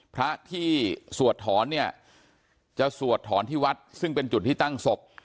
พระที่สวดถอนเนี่ยจะสวดถอนที่วัดซึ่งเป็นจุดที่ตั้งศพ